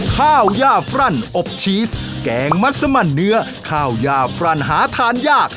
ข้าวย่าฟรั่นอบชีสแกงมัสมันเนื้อข้าวย่าฟรั่นหาทานยาก